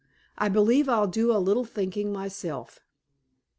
I believe I'll do a little thinking myself."